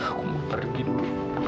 aku mau pergi dulu